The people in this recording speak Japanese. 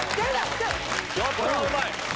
これうまい。